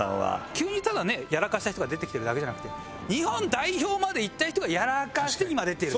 急にただねやらかした人が出てきてるだけじゃなくて日本代表まで行った人がやらかして今出てる。